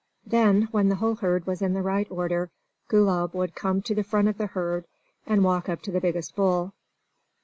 Then, when the whole herd was in the right order, Gulab would come to the front of the herd, and walk up to the biggest bull.